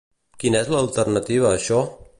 Quina és l'alternativa a això?